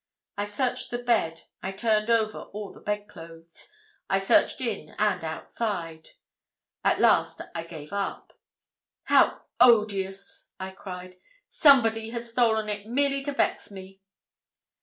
I searched the bed; I turned over all the bed clothes; I searched in and outside; at last I gave up. 'How odious!' I cried; 'somebody has stolen it merely to vex me.'